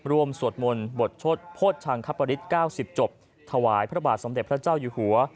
สวดมนต์บทชดโภชังคปริศ๙๐จบถวายพระบาทสมเด็จพระเจ้าอยู่หัว